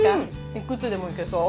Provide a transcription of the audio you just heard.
いくつでもいけそう。